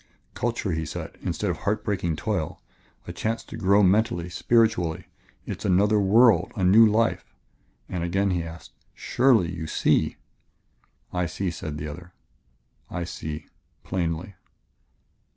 "Culture," he said, "instead of heart breaking toil, a chance to grow mentally, spiritually; it is another world, a new life " And again he asked: "Surely, you see?" "I see," said the other; "I see plainly."